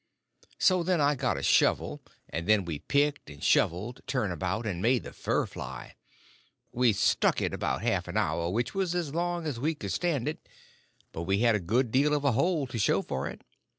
So then I got a shovel, and then we picked and shoveled, turn about, and made the fur fly. We stuck to it about a half an hour, which was as long as we could stand up; but we had a good deal of a hole to show for it.